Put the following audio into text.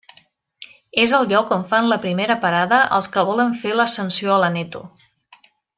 És el lloc on fan la primera parada els que volen fer l'ascensió a l'Aneto.